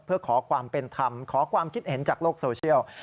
เพื่อขอความเป็นธรรมขอความคิดเห็นจากโลกโซเชียล